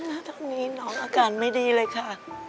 ณตอนนี้น้องอาการไม่ดีเลยค่ะ